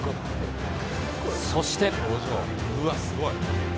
そして。